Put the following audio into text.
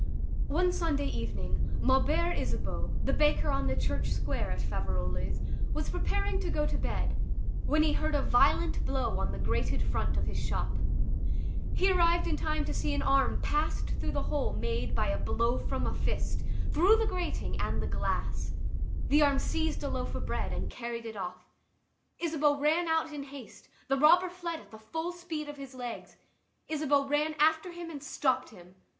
One Sunday evening, Maubert Isabeau, the baker on the Church Square at Faverolles, was preparing to go to bed, when he heard a violent blow on the grated front of his shop. He arrived in time to see an arm passed through a hole made by a blow from a fist, through the grating and the glass. The arm seized a loaf of bread and carried it off. Isabeau ran out in haste; the robber fled at the full speed of his legs. Isabeau ran after him and stopped him.